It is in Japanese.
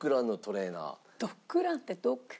ドッグランってドッグ？